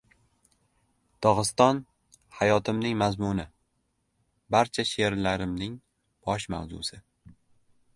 Dog‘iston — hayotimning mazmuni, barcha she’rlarimning bosh mavzusi.